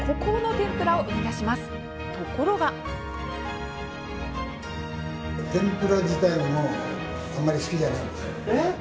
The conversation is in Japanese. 天ぷら自体もあんまり好きじゃないんです。